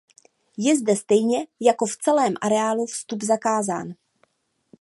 Je zde stejně jako v celém areálu vstup zakázán.